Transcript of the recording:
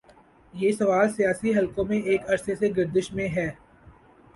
یہ سوال سیاسی حلقوں میں ایک عرصے سے گردش میں ہے۔